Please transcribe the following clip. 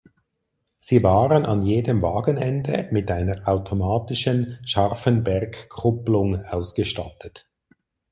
Sie waren an jedem Wagenende mit einer automatischen Scharfenbergkupplung ausgestattet.